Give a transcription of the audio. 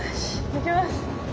いきます！